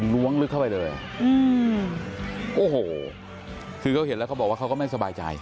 ล้วงลึกเข้าไปเลยอืมโอ้โหคือเขาเห็นแล้วเขาบอกว่าเขาก็ไม่สบายใจ